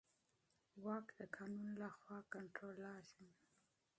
واک د قانون له خوا کنټرولېږي.